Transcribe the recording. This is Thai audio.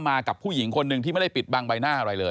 กับผู้หญิงคนหนึ่งที่ไม่ได้ปิดบังใบหน้าอะไรเลย